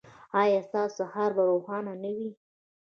ایا ستاسو سهار به روښانه نه وي؟